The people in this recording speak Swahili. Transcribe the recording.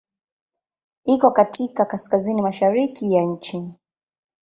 Iko katika kaskazini-mashariki ya nchi.